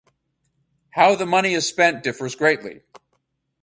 How the money is spent differs greatly.